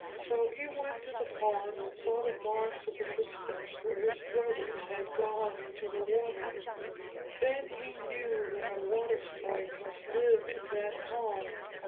So he went to the pond and saw the marks of the footsteps where his brothers had gone down into the water. Then he knew that a water sprite must live in that pond.